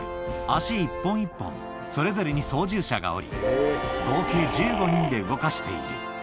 足一本一本、それぞれに操縦者がおり、合計１５人で動かしている。